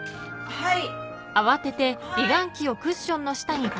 はい。